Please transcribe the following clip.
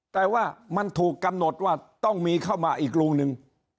แต่ว่ามันถูกกำหนดว่าต้องมีเข้ามาอีกลุงหนึ่ง